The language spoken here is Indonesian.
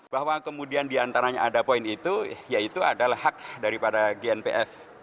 bahwa kemudian diantaranya ada poin itu yaitu adalah hak daripada gnpf